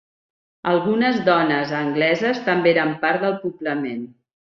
Algunes dones angleses també eren part del poblament.